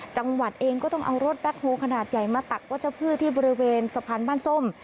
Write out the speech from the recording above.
จังหวัดเองก็ต้องเอารถแบ็คโฮลขนาดใหญ่มาตักวัชพืชที่บริเวณสะพานบ้านส้ม